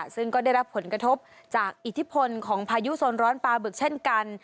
ซึ่งก็ได้รับผลกระทบจากอิทธิพลของพายุโซนร้อนปลาบึกเช่นกัน